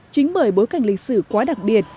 chính bởi bối cảnh lịch sử quá đặc biệt